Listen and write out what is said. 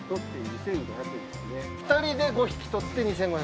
２人で５匹取って２，５００円？